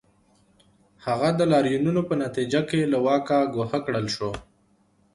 هغه د لاریونونو په نتیجه کې له واکه ګوښه کړل شو.